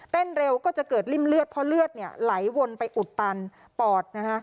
เร็วก็จะเกิดริ่มเลือดเพราะเลือดเนี่ยไหลวนไปอุดตันปอดนะฮะ